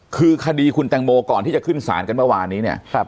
คือคดีคุณแตงโมก่อนที่จะขึ้นศาลกันเมื่อวานนี้เนี่ย